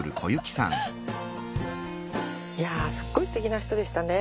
いやすっごいすてきな人でしたね。